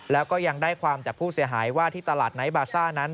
แล้วก็ยังได้ความจากผู้เสียหายว่าที่ตลาดไนท์บาซ่านั้น